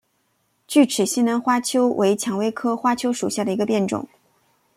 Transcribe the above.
巨齿西南花楸为蔷薇科花楸属下的一个变种。